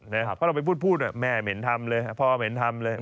เพราะเราไปพูดแม่เหม็นทำเลยพ่อเหม็นทำเลย